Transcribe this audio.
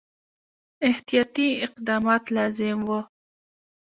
احتیاطي اقدامات لازم وه.